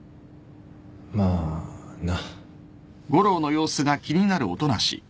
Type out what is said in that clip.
まあな。